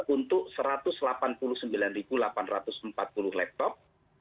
untuk satu ratus delapan puluh sembilan delapan ratus empat puluh laptop